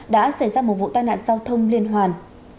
đã xảy ra một vụ tai nạn giao thông liên hoàn